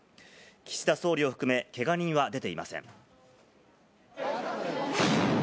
岸田総理を含め、けが人は出ていません。